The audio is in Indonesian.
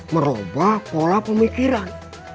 merubah pola pemikiran